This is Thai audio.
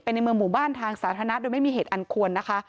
ในเมืองหมู่บ้านทางสาธารณะโดยไม่มีเหตุอันควรนะคะ